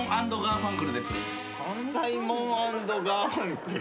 関西モン＆ガーファンクル？